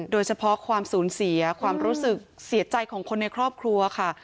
โดยเฉพาะความสูญเสียความรู้สึกเสียใจของคนในครอบครัวค่ะ